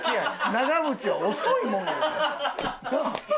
長渕は遅いもんがええのよ。なあ？